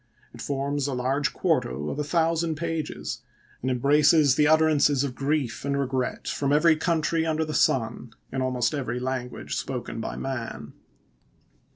It forms a large quarto of a thousand pages, and embraces the utterances of grief and regret from every country under the sun, in almost every language spoken by man.